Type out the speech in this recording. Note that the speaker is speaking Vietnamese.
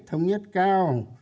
thống nhất cao